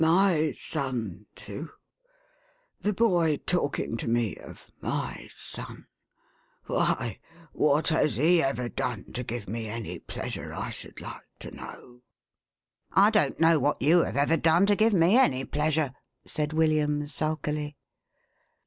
" My son, too ! The boy talking to me of my son ! Why, what has he ever done to give me any pleasure, I should like to know?11 "I don't know what you have ever done to give me any pleasure,11 said William, sulkily.